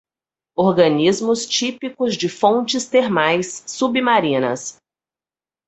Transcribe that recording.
Organismos típicos de fontes termais submarinas